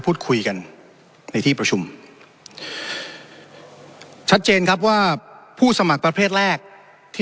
พูดคุยกันในที่ประชุมชัดเจนครับว่าผู้สมัครประเภทแรกที่